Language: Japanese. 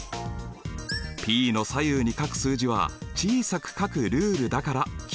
Ｐの左右に書く数字は小さく書くルールだから気を付けてね。